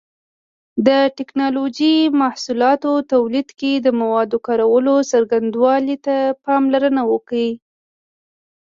د ټېکنالوجۍ محصولاتو تولید کې د موادو کارولو څرنګوالي ته پاملرنه وکړئ.